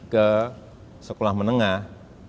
ke sekolah menengah